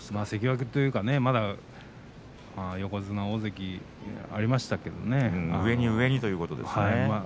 関脇というか大関横綱がありましたけれども上に上にということです。